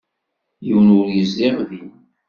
Yiwen ur yezdiɣ din.